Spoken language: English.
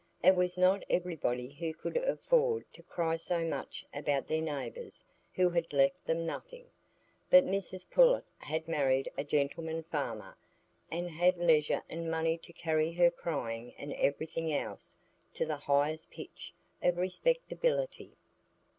It was not everybody who could afford to cry so much about their neighbours who had left them nothing; but Mrs Pullet had married a gentleman farmer, and had leisure and money to carry her crying and everything else to the highest pitch of respectability.